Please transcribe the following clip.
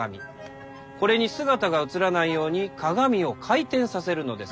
これに姿が映らないように「鏡」を回転させるのです。